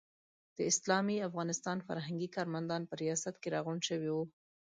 د اسلامي افغانستان فرهنګي کارمندان په ریاست کې راغونډ شوي وو.